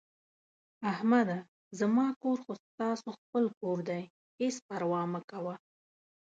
احمده زما کور خو ستاسو خپل کور دی، هېڅ پروا مه کوه...